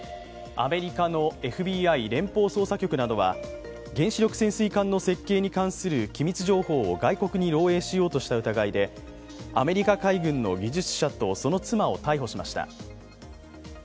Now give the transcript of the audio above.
アメリカのＦＢＩ＝連邦捜査局などは原子力潜水艦の設計に関する機密情報を外国に漏洩しようとした疑いでアメリカ海軍の技術者とその妻を逮捕しました。